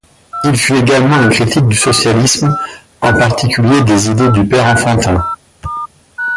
Il fut également un critique du socialisme, en particulier des idées, du Père Enfantin.